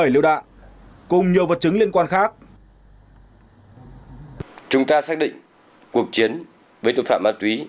một mươi bảy liều đạn cùng nhiều vật chứng liên quan khác chúng ta xác định cuộc chiến với tội phạm ma túy